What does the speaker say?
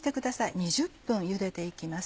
２０分ゆでていきます。